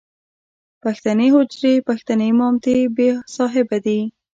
پښتنې حجرې، پښتنې مامتې بې صاحبه دي.